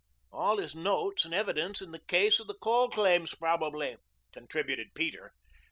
"All his notes and evidence in the case of the coal claims probably," contributed Peter.